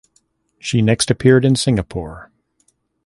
She next appeared in Singapore.